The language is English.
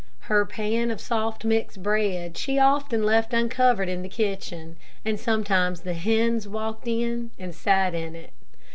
Her pan of soft mixed bread she often left uncovered in the kitchen, and sometimes the hens walked in and sat in it.